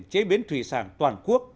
chế biến thủy sản toàn quốc